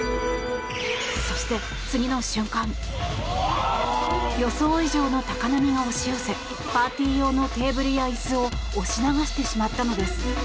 そして次の瞬間予想以上の高波が押し寄せパーティー用のテーブルや椅子を押し流してしまったのです。